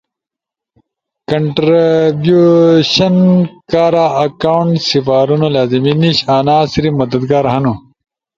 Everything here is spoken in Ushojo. کنٹربیوشنی کارا اکونٹ سپارونو لازمی نیش، انا صرف مددگار ہنو۔